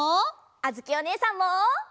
あづきおねえさんも。